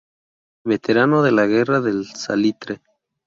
Veterano de la Guerra del Salitre.